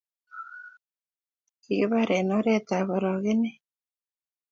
Kikipar en oret ab orokenet